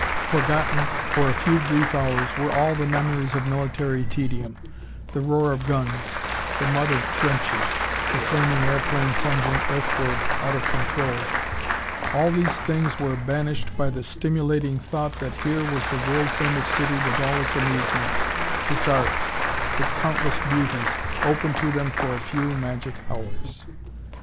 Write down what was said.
Forgotten, for a few brief hours, were all the memories of military tedium, the roar of guns, the mud of trenches, the flaming airplane plunging earthward out of control all these things were banished by the stimulating thought that here was the world famous city with all its amusements, its arts, its countless beauties, open to them for a few magic hours.